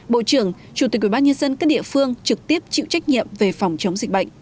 bộ trưởng chủ tịch ubnd các địa phương trực tiếp chịu trách nhiệm về phòng chống dịch bệnh